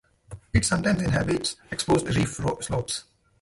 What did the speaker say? It sometimes inhabits exposed reef slopes.